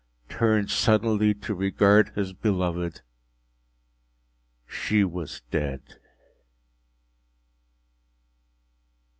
’ turned suddenly to regard his beloved:—She was dead!